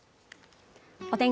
お天気